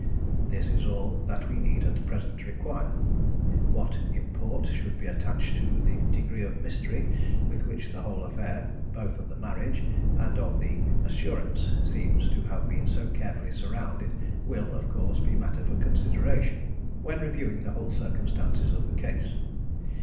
This is all that we need at present require. What import should be attached to the degree of mystery with which the whole affair both of the marriage and of the assurance seems to have been so carefully surrounded will, of course, be matter for consideration when reviewing the whole circumstances of the case.